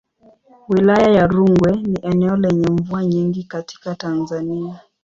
Wilaya ya Rungwe ni eneo lenye mvua nyingi katika Tanzania.